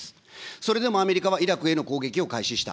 それでもアメリカはイラクへの攻撃を開始した。